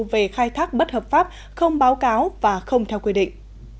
về khai thác bất hợp pháp không báo cáo và không theo quy định